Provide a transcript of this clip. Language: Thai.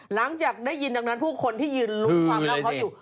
หลังจากได้ยินดังนั้นผู้คนที่ยืนลุ้นความเล่าเขาอยู่